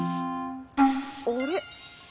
あれ？